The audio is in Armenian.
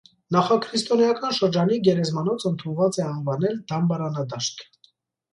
Նախաքրիստոնեական շրջանի գերեզմանոց ընդունված Է անվանել դամբարանադաշտ։